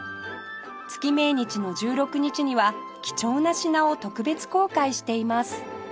月命日の１６日には貴重な品を特別公開しています